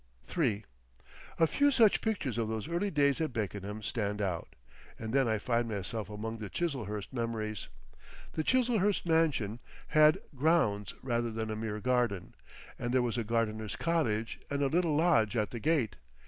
III A few such pictures of those early days at Beckenham stand out, and then I find myself among the Chiselhurst memories. The Chiselhurst mansion had "grounds" rather than a mere garden, and there was a gardener's cottage and a little lodge at the gate.